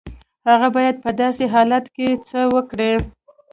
هغه بايد په داسې حالت کې څه وکړي؟